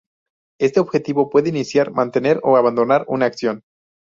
Éste objetivo puede iniciar, mantener o abandonar una acción.